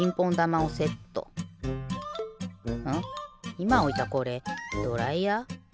いまおいたこれドライヤー？